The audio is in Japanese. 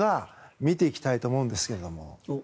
見ていきたいと思うんですけれども。